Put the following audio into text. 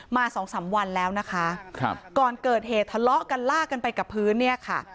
สองสามวันแล้วนะคะครับก่อนเกิดเหตุทะเลาะกันลากกันไปกับพื้นเนี่ยค่ะ